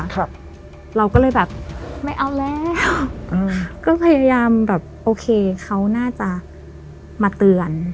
ครับเราก็เลยแบบไม่เอาแล้วก็พยายามแบบโอเคเขาน่าจะมาเตือน